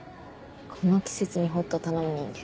この季節にホット頼む人間